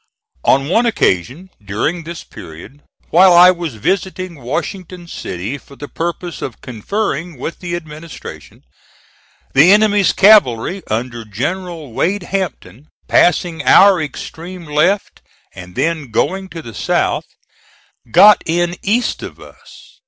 On one occasion during this period, while I was visiting Washington City for the purpose of conferring with the administration, the enemy's cavalry under General Wade Hampton, passing our extreme left and then going to the south, got in east of us.